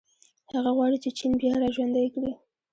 هغه غواړي چې چین بیا راژوندی کړي.